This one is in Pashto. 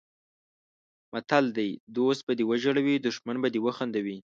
متل دی: دوست به دې وژړوي دښمن به دې وخندوي.